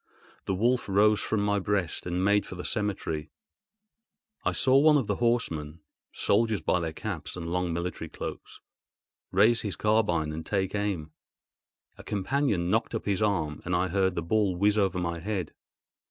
The wolf rose from my breast and made for the cemetery. I saw one of the horsemen (soldiers by their caps and their long military cloaks) raise his carbine and take aim. A companion knocked up his arm, and I heard the ball whizz over my head.